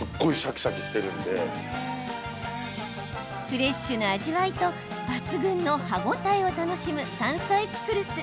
フレッシュな味わいと抜群の歯応えを楽しむ山菜ピクルス。